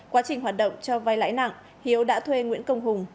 quá trình hoạt động cho vai lãi nặng hiếu đã thuê nguyễn công hùng